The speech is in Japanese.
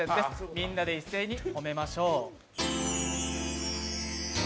みんなで一斉に褒めましょう。